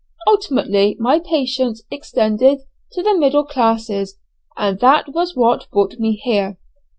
Ultimately my patients extended to the middle classes, and that was what brought me here.